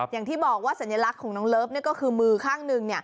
อย่างที่บอกว่าสัญลักษณ์ของน้องเลิฟก็คือมือข้างหนึ่ง